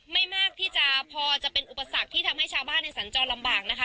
ไม่มากที่จะพอจะเป็นอุปสรรคที่ทำให้ชาวบ้านในสัญจรลำบากนะคะ